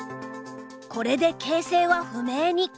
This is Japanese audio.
これで形勢は不明に。